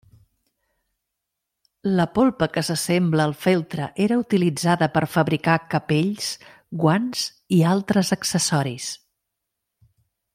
La polpa, que s'assembla al feltre era utilitzada per fabricar capells, guants i altres accessoris.